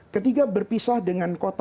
ketika berpisah dengan orang tua